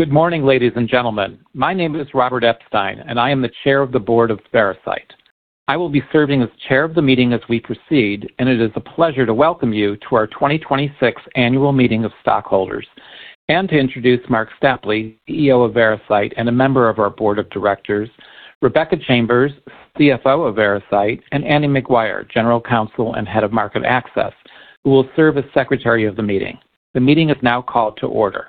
Good morning, ladies and gentlemen. My name is Robert Epstein, and I am the chair of the Board of Veracyte. I will be serving as chair of the meeting as we proceed, and it is a pleasure to welcome you to our 2026 annual meeting of stockholders and to introduce Marc Stapley, CEO of Veracyte and a member of our Board of Directors, Rebecca Chambers, CFO of Veracyte, and Annie McGuire, general counsel and head of market access, who will serve as Secretary of the meeting. The meeting is now called to order.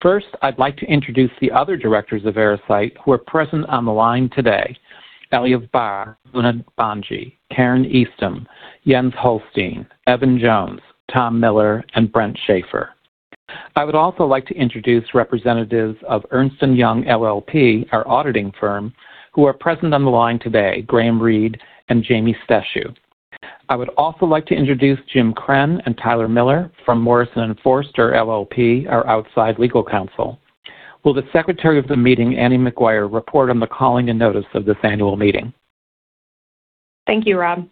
First, I'd like to introduce the other directors of Veracyte who are present on the line today. Eliav Barr, Muna Bhanji, Karin Eastham, Jens Holstein, Evan Jones, Tom Miller, and Brent Shafer. I would also like to introduce representatives of Ernst & Young LLP, our auditing firm, who are present on the line today, Graham Reed and Jamie Steshe. I would also like to introduce Jim Krenn and Tyler Miller from Morrison & Foerster LLP, our outside legal counsel. Will the Secretary of the meeting, Annie McGuire, report on the calling and notice of this annual meeting? Thank you, Rob.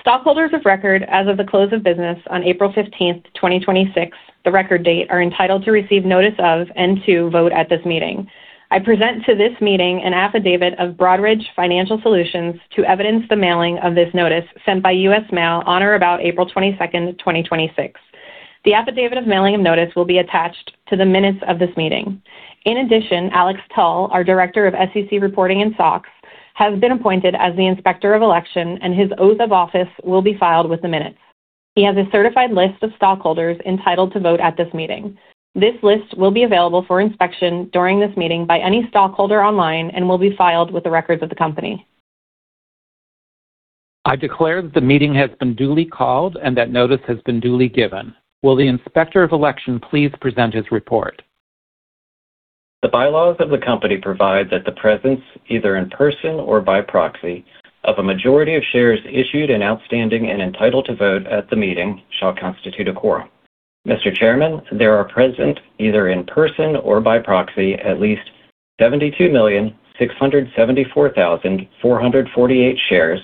Stockholders of record as of the close of business on April 15th, 2026, the record date, are entitled to receive notice of and to vote at this meeting. I present to this meeting an affidavit of Broadridge Financial Solutions to evidence the mailing of this notice sent by U.S. Mail on or about April 22nd, 2026. The affidavit of mailing of notice will be attached to the minutes of this meeting. In addition, Alex Tull, our Director of SEC Reporting and SOX, has been appointed as the Inspector of Election and his oath of office will be filed with the minutes. He has a certified list of stockholders entitled to vote at this meeting. This list will be available for inspection during this meeting by any stockholder online and will be filed with the records of the company. I declare that the meeting has been duly called and that notice has been duly given. Will the Inspector of Election please present his report? The bylaws of the company provide that the presence, either in person or by proxy, of a majority of shares issued and outstanding and entitled to vote at the meeting shall constitute a quorum. Mr. Chairman, there are present, either in person or by proxy, at least 72,674,448 shares,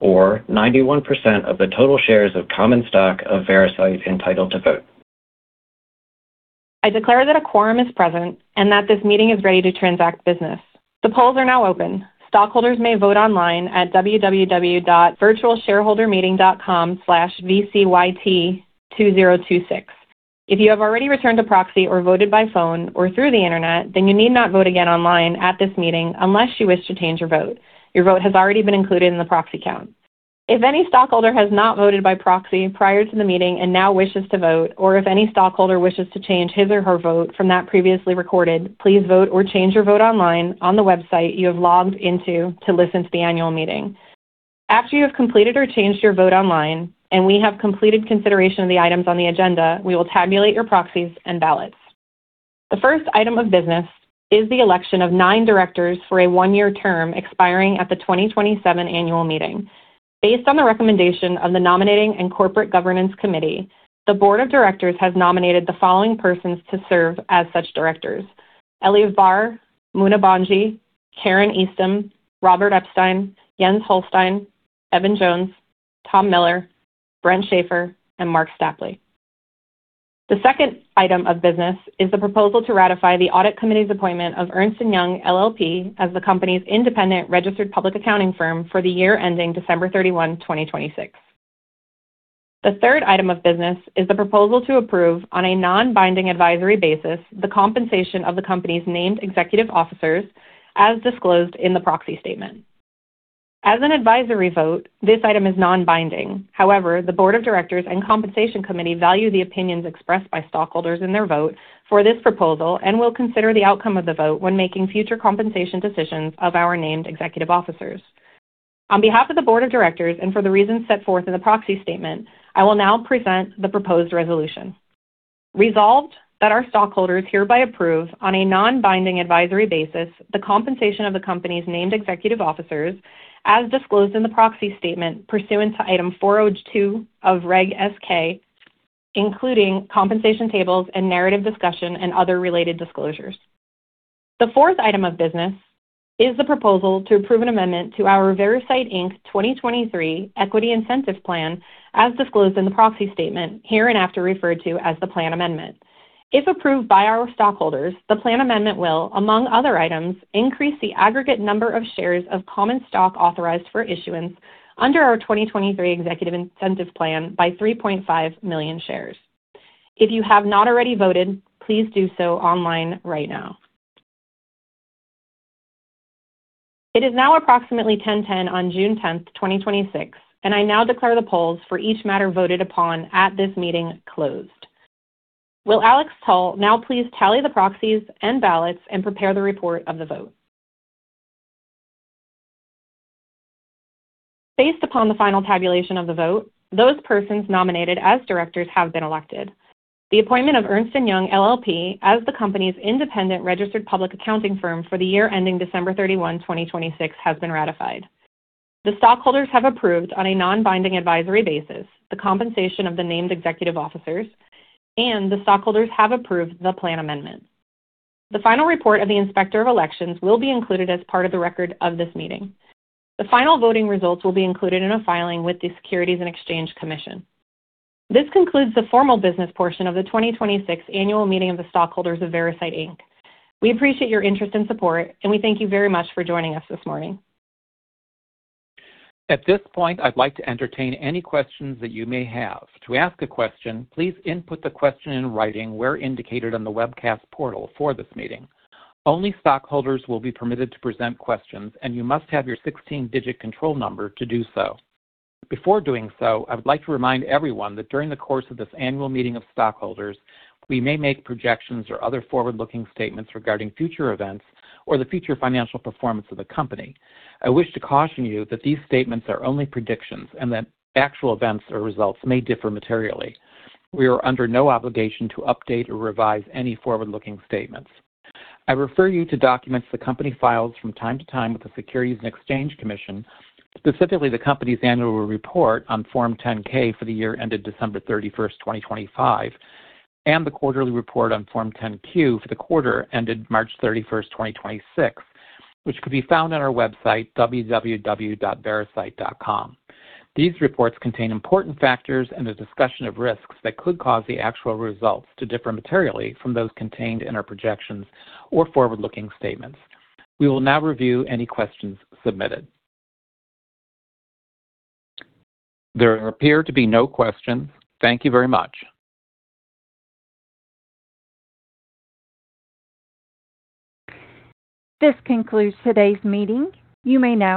or 91% of the total shares of common stock of Veracyte entitled to vote. I declare that a quorum is present and that this meeting is ready to transact business. The polls are now open. Stockholders may vote online at www.virtualshareholdermeeting.com/vcyt2026. If you have already returned a proxy or voted by phone or through the Internet, you need not vote again online at this meeting unless you wish to change your vote. Your vote has already been included in the proxy count. If any stockholder has not voted by proxy prior to the meeting and now wishes to vote, or if any stockholder wishes to change his or her vote from that previously recorded, please vote or change your vote online on the website you have logged into to listen to the annual meeting. After you have completed or changed your vote online and we have completed consideration of the items on the agenda, we will tabulate your proxies and ballots. The first item of business is the election of nine directors for a one-year term expiring at the 2027 annual meeting. Based on the recommendation of the Nominating and Corporate Governance Committee, the board of directors has nominated the following persons to serve as such directors: Eliav Barr, Muna Bhanji, Karin Eastham, Robert Epstein, Jens Holstein, Evan Jones, Tom Miller, Brent Shafer, and Marc Stapley. The second item of business is the proposal to ratify the audit committee's appointment of Ernst & Young LLP as the company's independent registered public accounting firm for the year ending December 31, 2026. The third item of business is the proposal to approve, on a non-binding advisory basis, the compensation of the company's named executive officers as disclosed in the proxy statement. As an advisory vote, this item is non-binding. The board of directors and Compensation Committee value the opinions expressed by stockholders in their vote for this proposal and will consider the outcome of the vote when making future compensation decisions of our named executive officers. On behalf of the board of directors and for the reasons set forth in the proxy statement, I will now present the proposed resolution. Resolved that our stockholders hereby approve, on a non-binding advisory basis, the compensation of the company's named executive officers as disclosed in the proxy statement pursuant to Item 402 of Reg S-K, including compensation tables and narrative discussion and other related disclosures. The fourth item of business is the proposal to approve an amendment to our Veracyte, Inc. 2023 Equity Incentive Plan as disclosed in the proxy statement, hereinafter referred to as the Plan Amendment. If approved by our stockholders, the Plan Amendment will, among other items, increase the aggregate number of shares of common stock authorized for issuance under our 2023 Equity Incentive Plan by 3.5 million shares. If you have not already voted, please do so online right now. It is now approximately 10:10 A.M. on June 10th, 2026, and I now declare the polls for each matter voted upon at this meeting closed. Will Alex Tull now please tally the proxies and ballots and prepare the report of the vote? Based upon the final tabulation of the vote, those persons nominated as directors have been elected. The appointment of Ernst & Young LLP as the company's independent registered public accounting firm for the year ending December 31, 2026, has been ratified. The stockholders have approved, on a non-binding advisory basis, the compensation of the named executive officers. The stockholders have approved the Plan Amendment. The final report of the Inspector of Elections will be included as part of the record of this meeting. The final voting results will be included in a filing with the Securities and Exchange Commission. This concludes the formal business portion of the 2026 annual meeting of the stockholders of Veracyte, Inc. We appreciate your interest and support, and we thank you very much for joining us this morning. At this point, I'd like to entertain any questions that you may have. To ask a question, please input the question in writing where indicated on the webcast portal for this meeting. Only stockholders will be permitted to present questions, and you must have your 16-digit control number to do so. Before doing so, I would like to remind everyone that during the course of this annual meeting of stockholders, we may make projections or other forward-looking statements regarding future events or the future financial performance of the company. I wish to caution you that these statements are only predictions and that actual events or results may differ materially. We are under no obligation to update or revise any forward-looking statements. I refer you to documents the company files from time to time with the Securities and Exchange Commission, specifically the company's annual report on Form 10-K for the year ended December 31, 2025, and the quarterly report on Form 10-Q for the quarter ended March 31, 2026, which could be found on our website, www.veracyte.com. These reports contain important factors and a discussion of risks that could cause the actual results to differ materially from those contained in our projections or forward-looking statements. We will now review any questions submitted. There appear to be no questions. Thank you very much. This concludes today's meeting. You may now disconnect.